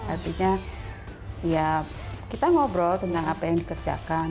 artinya ya kita ngobrol tentang apa yang dikerjakan